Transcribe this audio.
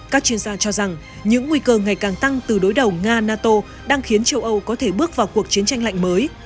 các chuyên gia cho rằng những nguy cơ ngày càng tăng từ đối đầu nga nato đang khiến châu âu có thể bước vào cuộc chiến tranh lạnh mới